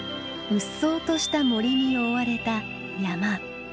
うっそうとした森に覆われた山。